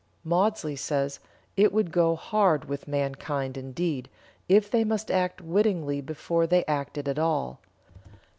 Maudsley says: "It would go hard with mankind indeed, if they must act wittingly before they acted at all.